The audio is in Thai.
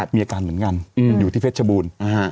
มีอาการเหมือนกันอยู่ที่เพชรบูรณ์